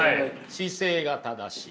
姿勢が正しい。